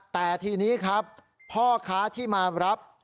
แต่ทีนี้ครับพ่อค้าที่มารับ